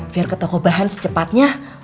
biar ke toko bahan secepatnya